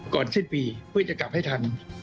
สิ้นปีเพื่อจะกลับให้ทัน